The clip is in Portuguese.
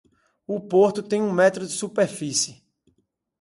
O Porto tem um metro de superfície.